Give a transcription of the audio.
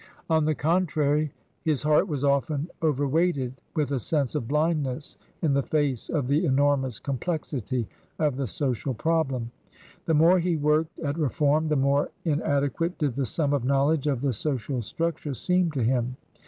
On the contrary, his heart was often overweighted with a sense of blindness in face of the enormous complexity of the social prob lem. The more he worked at reform, the more inade quate did the sum of knowledge of the Social structure seem to him.